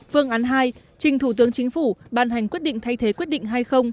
phương án hai trình thủ tướng chính phủ ban hành quyết định thay thế quyết định hai mươi